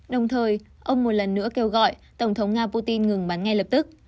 đồng thời ông một lần nữa kêu gọi tổng thống nga putin ngừng bắn ngay lập tức